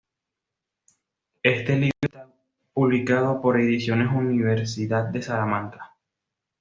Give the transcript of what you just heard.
Este libro está publicado por Ediciones Universidad de Salamanca